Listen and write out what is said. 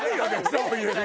そういう家。